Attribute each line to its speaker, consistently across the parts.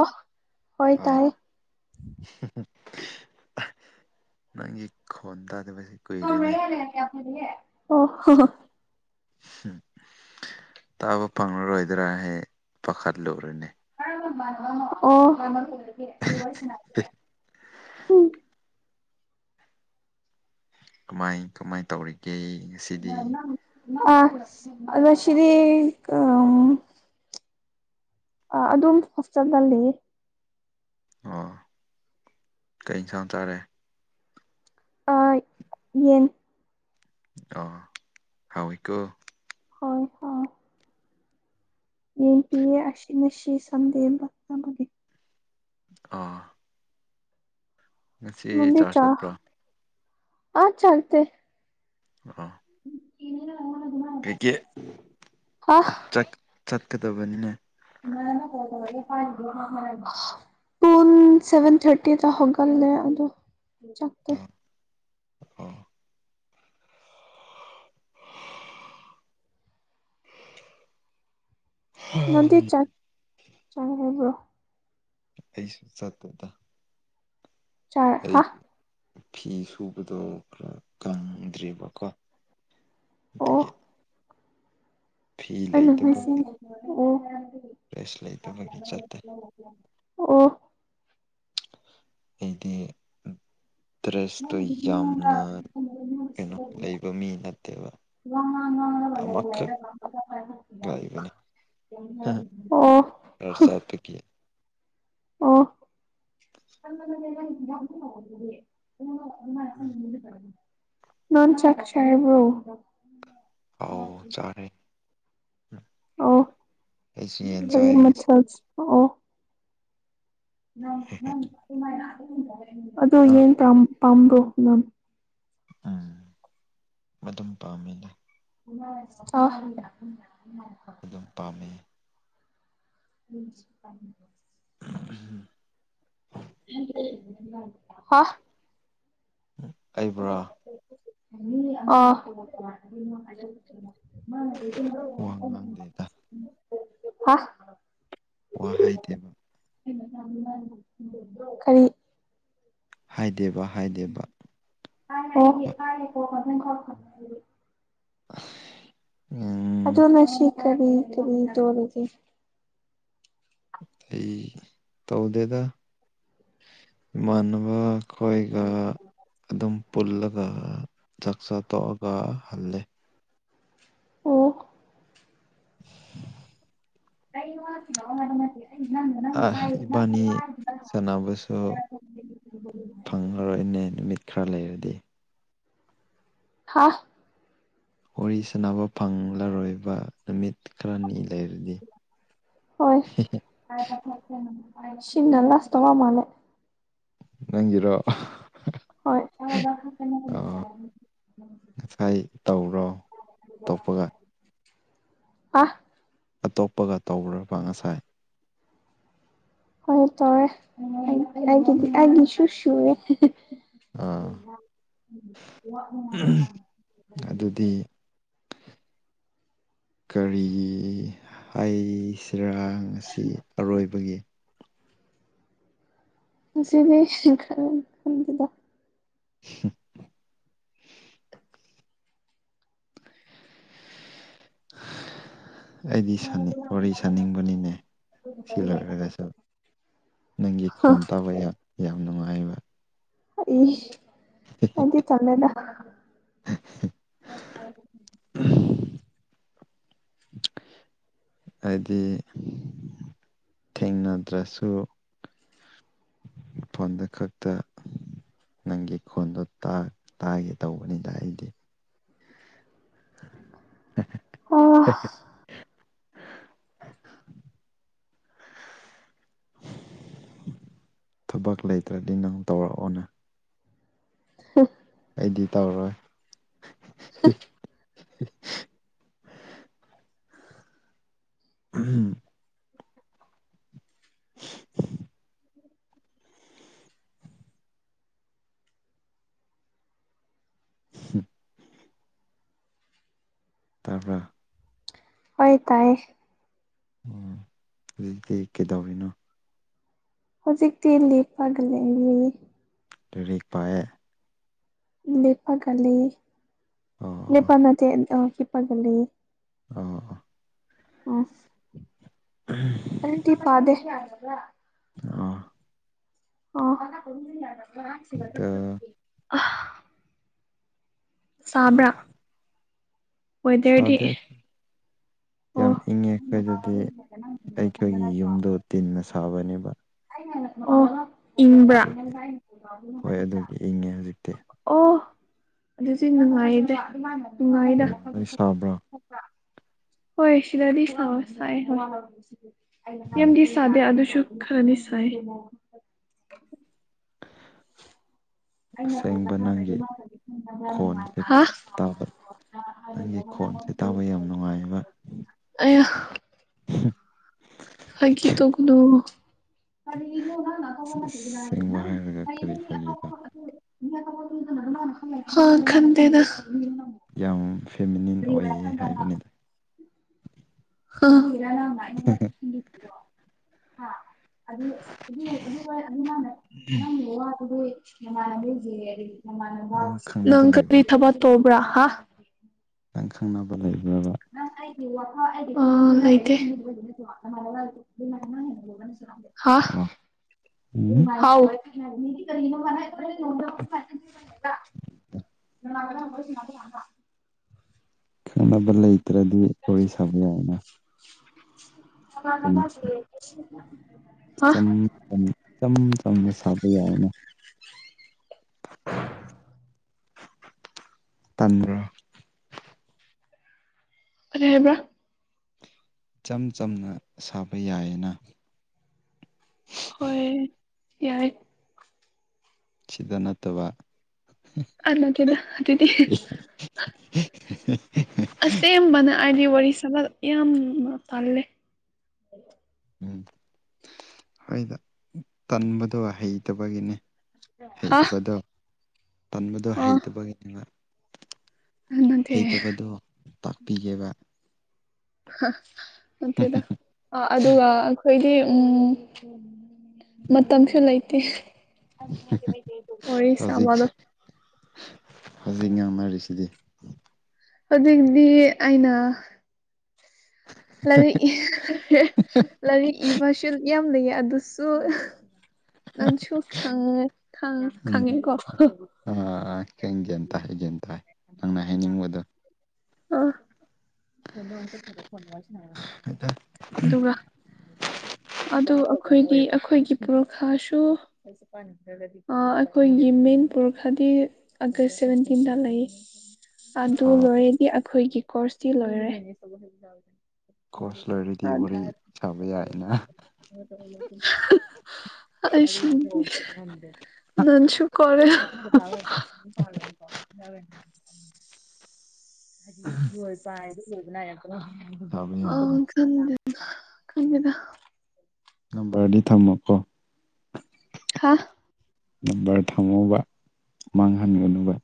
Speaker 1: ꯑ
Speaker 2: ꯑ ꯅꯪꯒꯤ ꯈꯨꯣꯟꯗꯥꯗꯁ
Speaker 1: ꯍ ꯃꯦ ꯑꯣ ꯍꯣ ꯍ
Speaker 2: ꯎꯝ ꯇꯥꯕ ꯐꯪꯂꯉꯔꯣꯏꯗ꯭ꯔꯥꯍꯦ ꯄꯥꯈꯠꯂꯨꯔꯅꯦ
Speaker 1: ꯃ ꯑꯣ ꯍ ꯃ ꯆ
Speaker 2: ꯀꯃꯥꯏ ꯀꯃꯥꯏꯅ ꯇꯧꯔꯤꯒꯦ ꯉꯁꯤꯗꯤ
Speaker 1: ꯑ ꯑꯗꯨ ꯁꯤꯔꯤ ꯑ ꯑ ꯑꯗꯨꯝ ꯍꯣꯁꯇꯠꯜꯂꯤꯌꯦ
Speaker 2: ꯑꯣ ꯀ ꯏꯟꯁꯥꯡ ꯆꯥꯔꯦ
Speaker 1: ꯑ ꯌꯦꯟ
Speaker 2: ꯑ ꯍꯥꯎꯥꯎ ꯏꯀꯣ
Speaker 1: ꯍꯣꯏ ꯍꯣꯏ ꯌꯦꯡ ꯄꯤꯌꯦ ꯑꯁꯤꯅ ꯁꯤ ꯁꯝꯗꯦꯕꯒ
Speaker 2: ꯑꯥ ꯉꯁꯤ
Speaker 1: ꯅꯪꯗꯤ
Speaker 2: ꯆꯥꯔꯖ
Speaker 1: ꯆꯥ
Speaker 2: ꯆꯠꯄ꯭ꯔꯣ
Speaker 1: ꯑꯥ ꯆꯔꯇ
Speaker 2: ꯑ
Speaker 1: ꯎꯅ
Speaker 2: ꯀꯩꯀꯦ
Speaker 1: ꯍꯥ
Speaker 2: ꯆꯠꯀꯗꯕꯅꯤꯅꯦ
Speaker 1: ꯅ ꯀ ꯍꯥꯏ ꯄꯟ ꯁꯚꯦꯟ ꯊꯥꯔꯇꯤꯗ ꯍꯧꯒꯂꯦ ꯑꯗꯣ ꯆ
Speaker 2: ꯑ ꯑ
Speaker 1: ꯆꯪꯕ꯭ꯔꯣ
Speaker 2: ꯑꯩꯁꯨ ꯆ ꯇꯗ
Speaker 1: ꯆꯥ ꯍꯥ
Speaker 2: ꯐꯤ ꯁꯨꯕꯗꯣ ꯈꯔ ꯀꯪꯗ꯭ꯔꯦꯕꯀꯣ ꯑꯗꯨꯠꯇꯗꯒꯤꯦ
Speaker 1: ꯑꯩꯅꯁꯤ ꯑꯣ
Speaker 2: ꯇ꯭ꯔꯦꯁ ꯂꯩꯇꯕꯒꯤ ꯆꯠꯇ
Speaker 1: ꯑꯣ
Speaker 2: ꯑꯩꯗꯤ ꯗ꯭ꯔꯦꯁꯇꯣ ꯌꯥꯝꯅ ꯀꯩꯅꯣ ꯂꯩꯕ ꯃꯤ ꯅꯠꯇꯦꯕ ꯑꯃꯈꯛ ꯂꯩꯕꯅꯤ
Speaker 1: ꯋꯥꯉꯉꯉ
Speaker 2: ꯈꯔ ꯆꯠꯄꯒꯤ
Speaker 1: ꯑꯣ ꯑꯣ
Speaker 2: ꯎꯝ
Speaker 1: ꯅꯥꯟ ꯆꯆꯥ ꯍꯥꯏꯕ꯭ꯔꯣ
Speaker 2: ꯍꯥꯎ ꯆꯥꯔꯦ ꯎ
Speaker 1: ꯑꯣ
Speaker 2: ꯑꯩꯁꯨ ꯌꯦꯟ
Speaker 1: ꯀꯔꯤ
Speaker 2: ꯆꯥꯏ ꯉꯁꯤ
Speaker 1: ꯃꯊꯦꯜ ꯑꯣ ꯅꯪ ꯅꯪ ꯁꯃ ꯑꯗꯣ
Speaker 2: ꯑ
Speaker 1: ꯌꯦꯟ ꯄꯥꯝꯕ꯭ꯔꯣ ꯅꯪ
Speaker 2: ꯎꯝ ꯑꯗꯨꯝ ꯄꯥꯝꯃꯤꯅꯦ
Speaker 1: ꯑ
Speaker 2: ꯑꯗꯨꯝ ꯄꯥꯝꯃꯦ
Speaker 1: ꯎꯝ ꯍ
Speaker 2: ꯑꯩꯕꯨꯔꯥ
Speaker 1: [inaudible] ꯑꯥ
Speaker 2: ꯋꯥ ꯉꯥꯡꯗꯦꯗ
Speaker 1: [inaudible] ꯍꯥ
Speaker 2: ꯋꯥ ꯍꯥꯏꯗꯦ
Speaker 1: ꯀꯔꯤ
Speaker 2: ꯍꯥꯏꯗꯦꯕ ꯍꯥꯏꯗꯦꯕ
Speaker 1: ꯑꯣ
Speaker 2: ꯎꯝ
Speaker 1: ꯑꯗꯨ ꯅꯁꯤ ꯀꯔꯤ ꯀꯔꯤ ꯇꯧꯔꯤꯒꯦ
Speaker 2: ꯑꯩ ꯇꯧꯗꯦꯗꯥ ꯏꯃꯅꯕ ꯍꯣꯏ ꯒ ꯑꯗꯨꯝ ꯄꯨꯜꯂꯒ ꯆꯥꯛꯆꯥꯥ ꯇꯣꯛꯑꯒ ꯍꯜꯂꯦ
Speaker 1: ꯑꯣ
Speaker 2: [inaudible]
Speaker 1: ꯑꯩ ꯅ ꯃ ꯃꯥ
Speaker 2: ꯏꯕꯥꯅꯤ ꯁꯥꯟꯅꯕꯁꯨ
Speaker 1: ꯏꯪꯅꯪꯥꯏꯪ
Speaker 2: ꯅꯦ ꯅꯨꯃꯤꯠ ꯈꯔ ꯂꯩꯔꯗꯤ
Speaker 1: ꯍꯥ
Speaker 2: ꯋꯥꯔꯤ ꯁꯥꯟꯅꯕ ꯐꯪꯂꯔꯣꯏꯕ ꯅꯨꯃꯤꯠ ꯈꯥꯔꯥꯅꯤ ꯂꯩꯔꯗꯤ
Speaker 1: ꯍꯣꯏ ꯁꯤꯅ ꯂꯥꯁꯇ꯭ ꯃꯥꯂꯦ
Speaker 2: ꯅꯪ ꯒꯤꯔꯣ
Speaker 1: ꯍꯣꯏ
Speaker 2: ꯇꯣꯞꯄꯒ
Speaker 1: ꯑꯥ
Speaker 2: ꯑꯇꯣꯞꯄꯒ ꯇꯧꯕꯔ꯭ꯕ ꯉꯁꯥꯏ
Speaker 1: ꯍꯣꯏ ꯇꯧꯏ ꯑꯩꯒꯤꯁꯨ ꯁꯨꯔꯦ [inaudible]
Speaker 2: ꯑꯥ ꯑꯗꯨꯗꯤ ꯀꯔꯤ ꯍꯩꯏꯁꯤꯔꯥ ꯉꯁꯤ ꯑꯔꯣꯏꯕꯒꯤ
Speaker 1: ꯉꯁꯤꯗꯤ ꯈꯔ ꯈꯪꯗꯦꯗ
Speaker 2: ꯑ [inaudible] ꯑꯩꯗꯤ ꯁꯥꯅꯤꯡ ꯋꯥꯔꯤ ꯁꯥꯅꯤꯡꯕꯅꯤꯅꯦ ꯁꯤ ꯂꯣꯏꯔꯒꯁꯨ ꯅꯪꯒꯤ ꯈꯣꯟ ꯇꯥꯕ ꯌꯥꯝ ꯅꯨꯡꯉꯥꯏꯌꯦꯕ
Speaker 1: ꯑꯩꯗꯤ ꯇꯜꯂꯦꯗꯥ
Speaker 2: [unintelligible]
Speaker 1: [unintelligible]
Speaker 2: ꯍꯥꯏꯗꯤ ꯊꯦꯡꯅꯗ꯭ꯔꯁꯨ ꯐꯣꯟꯗ ꯈꯛꯇ ꯅꯪꯒꯤ ꯈꯣꯟꯗꯣ ꯇꯥꯒꯦ ꯇꯧꯕꯅꯤꯗ ꯑꯩꯗꯤ
Speaker 1: ꯑ
Speaker 2: [inaudible]
Speaker 1: [unintelligible]
Speaker 2: ꯊꯕꯛ ꯂꯩꯇ꯭ꯔꯗꯤ ꯅꯪ ꯇꯧꯔꯛꯑꯣꯅꯦ
Speaker 1: ꯑ
Speaker 2: ꯑꯩꯗꯤ ꯇꯧꯔꯣꯏ
Speaker 1: [unintelligible]
Speaker 2: ꯎꯝ [unintelligible] ꯎꯝ ꯇꯥꯕ꯭ꯔꯥ
Speaker 1: ꯍꯣꯏ ꯇꯥꯏ
Speaker 2: ꯎꯝ ꯍꯧꯗꯤ ꯀꯩꯗꯧꯔꯤꯅꯣ
Speaker 1: ꯍꯧꯖꯤꯛꯇꯤ ꯂꯦꯞꯄꯒ ꯂꯦꯟꯅꯤ
Speaker 2: ꯂꯩꯔꯤ ꯄꯥꯏꯑꯌꯦ ꯑꯣ
Speaker 1: ꯂꯦꯄꯥꯒꯂꯤꯄꯥ ꯅꯇꯦꯄꯥꯒꯜꯂꯤ
Speaker 2: ꯑ
Speaker 1: ꯎ ꯔꯇꯤ ꯄꯗꯦ
Speaker 2: ꯑ
Speaker 1: ꯑꯣ ꯑ
Speaker 2: ꯑꯗ
Speaker 1: ꯁꯥꯕ꯭ꯔꯥ ꯑꯣꯏꯗꯗꯤ
Speaker 2: ꯁꯥꯗꯦ ꯌꯥꯝ ꯏꯪꯉꯦ ꯑꯩꯈꯣꯏꯗꯗꯤ ꯑꯩꯈꯣꯏꯒꯤ ꯌꯨꯝꯗꯣ ꯇꯤꯟꯅ ꯁꯥꯕꯅꯦꯕ
Speaker 1: ꯑꯣ ꯍꯣ ꯏꯟꯕ꯭ꯔꯥ
Speaker 2: ꯑꯗꯨꯒꯤ ꯍꯣꯏ ꯑꯗꯨꯒꯤ ꯏꯪꯉꯦ ꯍꯧꯖꯤꯛꯇꯤ
Speaker 1: ꯑꯣ ꯑꯗꯨꯁꯨ
Speaker 2: ꯎꯝ
Speaker 1: ꯅꯨꯡꯉꯥꯏꯗꯅꯨꯡ
Speaker 2: ꯅꯣꯏ ꯁꯥꯕ꯭ꯔꯣ
Speaker 1: ꯍꯣꯏ ꯁꯤꯗꯗꯤ ꯁꯥꯏ ꯍꯣꯏ
Speaker 2: ꯎꯝ
Speaker 1: ꯌꯥꯝꯗꯤ ꯁꯥꯗꯦ ꯑꯗꯨꯁꯨ ꯈꯔꯅꯤꯁꯥꯏ ꯑꯩꯅ ꯀꯣꯕ
Speaker 2: ꯑꯁꯦꯡꯕ
Speaker 1: ꯊꯔ
Speaker 2: ꯅꯪꯒꯤ ꯈꯣꯟꯁꯦ ꯇꯥꯕ ꯅꯪꯒꯤ ꯈꯣꯟꯁꯦ ꯇꯥꯕ ꯌꯥꯝ ꯅꯨꯡꯉꯥꯏꯕ
Speaker 1: ꯃꯥꯅꯨꯡꯉꯥꯏ ꯑ ꯍꯥꯏ ꯇꯒꯅꯣ ꯑꯗ ꯏ ꯅꯪ ꯑꯀꯄꯅ ꯊꯗꯅ
Speaker 2: ꯑꯁꯦꯡꯕ ꯍꯥꯏꯔꯒ
Speaker 1: ꯍꯥꯏꯦ
Speaker 2: ꯀꯔꯤ ꯐꯥꯒꯤꯅꯣ
Speaker 1: ꯅ ꯍ ꯈꯟꯗꯗ
Speaker 2: ꯌꯥꯝ ꯐꯦꯃꯤꯅꯤꯟ ꯑꯣꯏꯌꯦ ꯍꯥꯏꯕꯅꯤꯗ
Speaker 1: ꯔ ꯑꯗꯨ ꯑꯗꯨ ꯑꯗꯨꯪ ꯂꯇꯗꯤꯅꯦꯔꯤ
Speaker 2: ꯅꯪ ꯈꯪꯅꯕ
Speaker 1: ꯂꯪꯀꯔꯤ
Speaker 2: ꯂꯩꯕ꯭ꯔꯣ
Speaker 1: ꯊꯕ ꯇꯣꯕ꯭ꯔꯥ ꯍꯥ
Speaker 2: ꯂ ꯈꯪꯅꯕ ꯂꯩꯕ
Speaker 1: ꯋꯥ
Speaker 2: ꯑꯣ
Speaker 1: ꯅꯣꯅ
Speaker 2: ꯎꯝ
Speaker 1: ꯅꯦ ꯍꯥꯏ
Speaker 2: ꯈꯪꯅꯕ ꯂꯩꯇ꯭ꯔꯗꯤ ꯋꯥꯔꯤ ꯁꯥꯕ ꯌꯥꯏꯅ
Speaker 1: ꯑ
Speaker 2: ꯏꯆ ꯏꯆꯝ ꯆꯝꯅ ꯁꯥꯕ ꯌꯥꯔꯅꯦ ꯇꯟꯗ꯭ꯔ
Speaker 1: ꯑꯔ ꯍꯥꯏꯕ꯭ꯔ
Speaker 2: ꯏꯆꯝ ꯆꯝꯅ ꯁꯥꯕ ꯌꯥꯏꯑꯅ
Speaker 1: ꯍꯣꯏ ꯌꯥꯏ
Speaker 2: ꯆꯤꯗꯅꯊ ꯋꯥ
Speaker 1: ꯑꯂꯒꯦꯗꯤꯗꯤꯤ ꯑꯁꯦꯡꯕꯅ ꯑꯩꯗꯤ ꯋꯥꯔꯤ ꯁꯥ ꯌꯥꯝꯅ ꯇꯜꯂꯦ
Speaker 2: ꯎꯝ ꯍꯣꯏꯗ ꯇꯟꯕꯗꯣ ꯍꯩꯇꯕꯒꯤꯅꯦ
Speaker 1: ꯍꯥ
Speaker 2: ꯍꯩꯇꯕꯗꯣ ꯇꯟꯕꯗꯣ
Speaker 1: ꯑꯥ
Speaker 2: ꯍꯩꯇꯕꯒꯤꯅꯦꯕ
Speaker 1: ꯅꯠꯇꯦ
Speaker 2: ꯍꯩꯇꯕꯗꯣ ꯇꯥꯛꯄꯤꯒꯦꯕ
Speaker 1: ꯃꯦꯗ ꯑꯗꯨ ꯑꯩꯈꯣꯏꯗꯤ ꯎꯝ ꯃꯇꯝꯁꯨ ꯂꯩꯇꯦ ꯑꯣꯏꯁ
Speaker 2: ꯍꯧꯖꯤꯛ
Speaker 1: ꯑꯃꯅ
Speaker 2: ꯍꯧꯖꯤꯛ ꯌꯥꯝꯅꯔꯤꯁꯤꯗꯤ
Speaker 1: ꯍꯧꯖꯤꯗꯒꯤꯗꯤ ꯑꯩꯅ ꯂꯥꯏꯔꯤꯛ ꯂꯥꯏꯔꯤꯛ ꯏꯕꯁꯨ ꯌꯥꯝ ꯂꯩ ꯑꯗꯨꯁꯨ ꯅꯟ ꯆꯣ ꯈꯪ ꯈ ꯈꯥꯉꯤ ꯀꯣ
Speaker 2: ꯍꯪ ꯌꯦꯟ ꯍꯥꯏꯦ ꯟꯇ ꯅꯪꯅ ꯍꯥꯏꯅꯤꯡꯕꯗꯣ
Speaker 1: ꯑ ꯍꯁ ꯐꯣꯟꯁꯨ ꯑꯗꯨꯒ ꯑ ꯑꯩꯈꯣꯏꯒꯤ ꯑꯩꯈꯣꯏꯒꯤ ꯄꯔꯈꯥꯁꯨ ꯑꯩꯈꯣꯏꯒꯤ ꯃꯅꯤꯄꯨꯔ ꯈꯔꯗꯤ ꯑꯥꯒꯁ ꯁꯦꯚꯦꯟꯇꯤꯟꯗ ꯂꯩ ꯑꯗꯨ ꯂꯣꯏꯔꯦꯗꯤ ꯑꯩꯈꯣꯏꯒꯤ ꯀꯣꯔꯁꯤ ꯂꯣꯏꯔꯦ
Speaker 2: ꯀꯣꯔꯁ ꯂꯣꯏꯔꯗꯤ
Speaker 1: ꯍꯥꯏ
Speaker 2: ꯋꯥꯔꯤ ꯁꯥꯕ ꯌꯥꯏꯅ
Speaker 1: ꯑ ꯁꯤ ꯅꯁꯨꯀꯔꯦ ꯅꯤ [inaudible] ꯂ
Speaker 2: ꯁꯥꯕ
Speaker 1: [unintelligible] ꯄꯅꯥ ꯑ
Speaker 2: ꯌꯥꯏꯅ
Speaker 1: ꯈꯪꯗꯦꯗꯥ
Speaker 2: ꯅꯝꯕꯔꯗꯤ ꯊꯝꯃꯣꯀꯣ
Speaker 1: ꯍꯥ
Speaker 2: ꯅꯝꯕꯔ ꯊꯝꯃꯣꯕꯥ ꯃꯥꯡꯍꯟꯒꯅꯨꯕ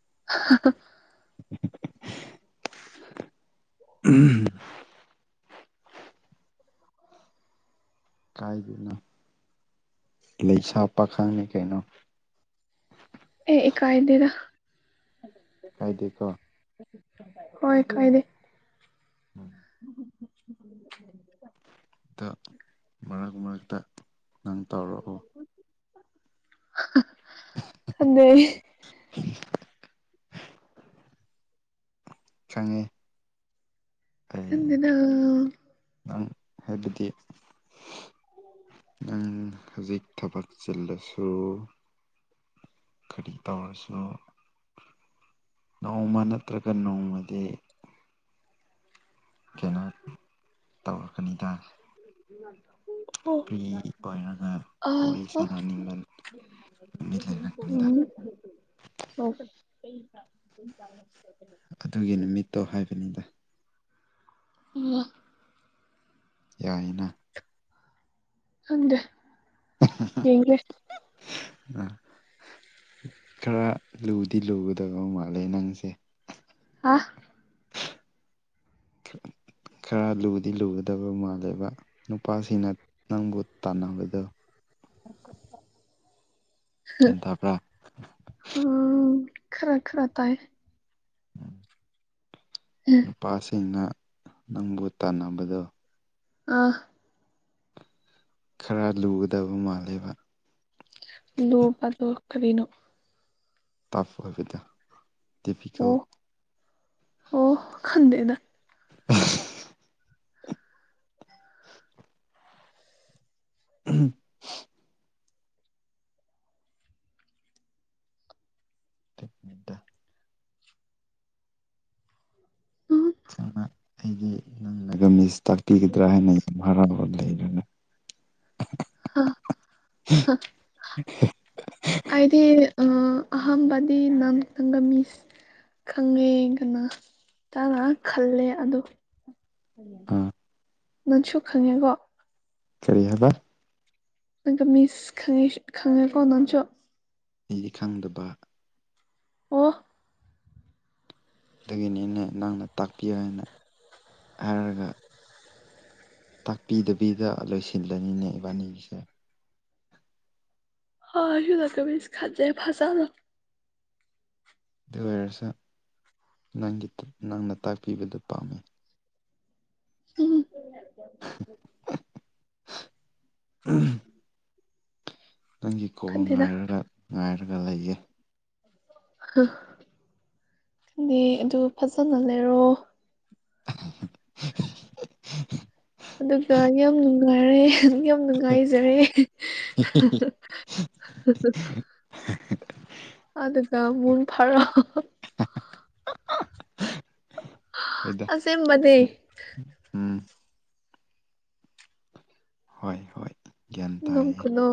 Speaker 1: [inaudible]
Speaker 2: ꯎꯝ [inaudible] ꯀꯥꯏꯗꯩꯅꯣ ꯂꯩꯁꯥ ꯄꯥꯈꯪꯅꯤ ꯀꯩꯅꯣ
Speaker 1: ꯑꯩ ꯏꯀꯥꯏꯗꯦꯗꯥ
Speaker 2: ꯀꯥꯏꯗꯦꯀꯣ
Speaker 1: ꯍꯣꯏ ꯀꯥꯏꯗꯦ [inaudible]
Speaker 2: ꯗ ꯃꯔꯛ ꯃꯔꯛꯇ ꯅꯪ ꯇꯧꯔꯛꯎ
Speaker 1: ꯈꯪꯗꯦ
Speaker 2: ꯈꯪꯉꯤ
Speaker 1: ꯈꯪꯗꯦꯗꯥ ꯑ
Speaker 2: ꯑꯪ ꯍꯥꯏꯕꯗꯤ ꯅꯪ ꯍꯧꯖꯤꯛ ꯊꯕꯛ ꯆꯤꯜꯂꯁꯨ ꯀꯔꯤ ꯇꯧꯔꯁꯨ ꯅꯣꯡꯃ ꯅꯠꯇ꯭ꯔꯒ ꯅꯣꯡꯃꯗꯤ ꯀ [inaudible] ꯇꯧꯔꯛꯀꯅꯤꯗꯥ
Speaker 1: ꯎꯠꯇꯣ [inaudible]
Speaker 2: ꯄ꯭ꯔꯤ ꯑꯣꯏꯅꯅꯦ
Speaker 1: ꯑ
Speaker 2: ꯋꯥꯔꯤ
Speaker 1: ꯍ
Speaker 2: ꯁꯥꯅꯅꯤꯡꯗꯅ
Speaker 1: ꯎꯝ ꯑꯣ ꯆꯥꯡ [inaudible]
Speaker 2: ꯑꯗꯨꯒꯤ ꯅꯨꯃꯤꯠꯇꯣ ꯍꯥꯏꯕꯅꯤꯗ
Speaker 1: ꯎꯋꯥ
Speaker 2: ꯌꯥꯏꯅꯥ
Speaker 1: ꯈꯪꯗꯦ ꯌꯦꯡꯒꯦ
Speaker 2: ꯑ ꯈꯔ ꯂꯨꯗꯤ ꯂꯨꯒꯗꯕ ꯃꯥꯜꯂꯦ ꯅꯪꯒꯤꯁꯦ
Speaker 1: ꯑꯥ
Speaker 2: ꯈꯔ ꯂꯨꯗꯤ ꯂꯨꯒꯗꯕ ꯃꯥꯜꯂꯦꯕ ꯅꯨꯄꯥꯁꯤꯡꯅ ꯅꯪꯕꯨ ꯇꯥꯟꯅꯕꯗꯣ ꯒ꯭ꯌꯥꯟ ꯇꯥꯕ꯭ꯔꯥ
Speaker 1: ꯑꯣ ꯈꯔ ꯈꯔ ꯇꯥꯏ
Speaker 2: ꯅꯨꯄꯥꯁꯤꯡꯅꯥ ꯅꯪꯕꯨ ꯇꯥꯟꯅꯕꯗꯣ
Speaker 1: ꯑꯥ
Speaker 2: ꯈꯔ ꯂꯨꯒꯗꯕ ꯃꯥꯜꯂꯦꯕꯥ
Speaker 1: ꯂꯨꯕꯗꯣ ꯀꯔꯤꯅꯣ
Speaker 2: ꯇꯛꯄꯒꯤꯗ
Speaker 1: ꯑꯣ ꯑꯣ ꯈꯪꯗꯦꯗꯥ
Speaker 2: ꯎꯝ [inaudible] ꯗ ꯗꯥ
Speaker 1: ꯎꯝ
Speaker 2: ꯁꯨꯃꯥꯏꯅꯥ ꯑꯩꯒꯤ ꯅꯪꯅꯒ ꯃꯤꯁ ꯇꯥꯛꯄꯤꯒꯗ꯭ꯔꯥ ꯍꯥꯏꯅ ꯌꯥꯝ ꯍꯔꯥꯎꯅ ꯂꯩ
Speaker 1: ꯍ‌ ꯍ ꯑꯩꯗꯤ ꯑꯍꯝꯕꯗꯤ [unintelligible] ꯅ ꯅꯪꯒꯃꯤꯁ ꯈꯪꯉꯦ ꯀꯅꯥ ꯇꯥꯅ ꯈꯜꯂꯦ ꯑꯗꯨ
Speaker 2: ꯑꯥ
Speaker 1: ꯅꯪꯁꯨ ꯈꯪꯉꯦꯀꯣ
Speaker 2: ꯀꯔꯤ ꯍꯥꯏꯕꯥ
Speaker 1: ꯑ ꯃꯤꯁ ꯈ ꯈꯉ ꯀꯅ ꯆꯣ
Speaker 2: ꯑꯩꯗꯤ ꯈꯪꯗꯕ
Speaker 1: ꯋꯥꯍ
Speaker 2: ꯗꯒꯤꯅꯤ ꯑꯩꯅ ꯅꯪꯅ ꯇꯥꯛꯄꯤꯌꯨ ꯍꯥꯏꯅ ꯍꯥꯏꯔꯒ ꯇꯥꯛꯄꯤꯗꯕꯤꯗ ꯂꯣꯏꯁꯤꯜꯂꯅꯤꯅꯦ ꯏꯕꯥꯅꯤꯒꯤꯁꯦ
Speaker 1: ꯑ ꯏꯂꯀꯦ ꯃꯤꯁ ꯈꯥꯖꯦ ꯐꯁꯅ
Speaker 2: ꯗꯋꯔꯁ ꯅꯪꯒꯤ ꯅꯪꯅ ꯇꯥꯛꯄꯤꯕꯗ ꯄꯥꯝꯃꯤ
Speaker 1: ꯎꯝ
Speaker 2: ꯎꯝ ꯅꯪꯒꯤ ꯀꯣꯜ
Speaker 1: ꯈꯟꯗꯦꯗ
Speaker 2: ꯉꯥꯏꯔꯒ ꯉꯥꯏꯔꯒ ꯂꯩꯌꯦꯦ
Speaker 1: ꯑꯗꯨ ꯐꯖꯅ ꯂꯩꯔꯣ
Speaker 2: [inaudible]
Speaker 1: ꯑꯗꯨꯒ ꯌꯥꯝ ꯅꯨꯡꯉꯥꯏꯔꯦ ꯑꯗꯨ ꯌꯥꯝ ꯅꯨꯡꯉꯥꯏꯖꯔꯦ ꯑꯗꯨꯒ ꯃꯨꯟ ꯐꯔ
Speaker 2: ꯍꯣꯏꯗ
Speaker 1: ꯑꯁꯦ ꯃꯅꯦ
Speaker 2: ꯎꯝ ꯍꯣꯏ ꯍꯣꯏ ꯒ꯭ꯌꯥꯟ
Speaker 1: ꯅ
Speaker 2: ꯇꯥꯏꯌꯦ
Speaker 1: ꯀꯅꯨ